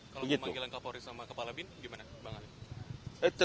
kalau memanggilkan kapolri sama kepala bin bagaimana